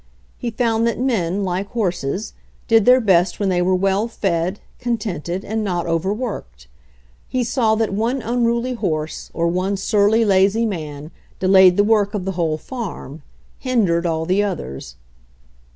He found that men, like horses, did their best when they were well fed, contented and not overworked. He saw that one unruly horse, or one surly, lazy man, delayed the work of the whole farm, hindered all the others.